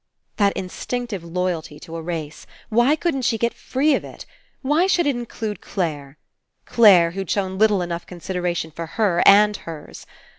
That Instinctive loyalty to a race. Why couldn't she get free of It? Why should It In clude Clare? Clare, who'd shown little enough consideration for her, and hers.